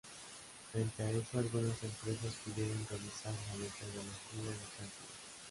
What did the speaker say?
Frente a eso algunas empresas pidieron revisar la metodología de cálculo.